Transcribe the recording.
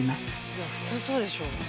いや普通そうでしょ。